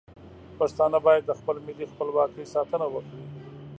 پښتانه باید د خپل ملي خپلواکۍ ساتنه وکړي.